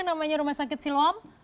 namanya rumah sakit silom